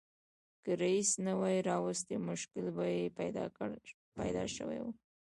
که رییس نه وای راوستي مشکل به یې پیدا شوی و.